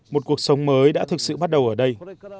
một cuộc sống mới đã thực sự bắt đầu ở đây